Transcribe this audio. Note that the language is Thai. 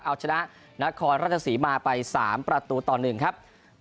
เอาชนะนครราชศรีมาไป๓ประตูต่อ๑ครับ